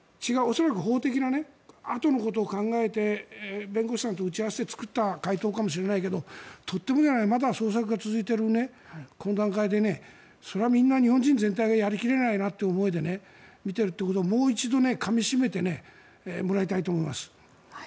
恐らく法的なあとのことを考えて弁護士さんと打ち合わせをして作った回答かもしれないけどとてもじゃないまだ捜索が続いているこの段階でそれはみんな日本人全体がやり切れないなという思いで見ているということをもう一度かみ締めてもらいたいと思います。